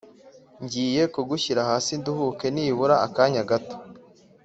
ngiye kugushyira hasi nduhuke nibura akanya gato